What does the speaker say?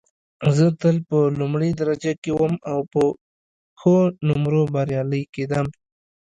زه تل په لومړۍ درجه کې وم او په ښو نومرو بریالۍ کېدم